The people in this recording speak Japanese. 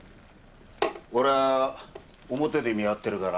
俺は表で見張ってるから。